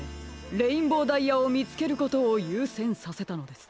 レインボーダイヤをみつけることをゆうせんさせたのです。